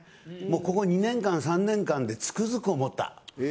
ここ２年間、３年間でつくづく思った。